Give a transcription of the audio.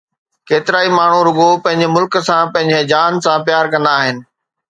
ڪيترائي ماڻھو رڳو پنھنجي ملڪ سان پنھنجي جان سان پيار ڪندا آھن